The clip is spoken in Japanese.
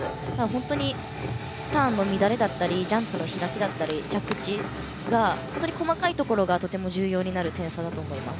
本当にターンの乱れだったりジャンプの開きだったり着地の細かいところがとても重要になる点差だと思います。